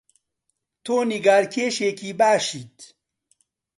تۆ نیگارکێشێکی باشیت.